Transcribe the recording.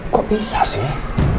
kok bisa sih